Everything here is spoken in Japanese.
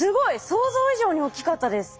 想像以上に大きかったです。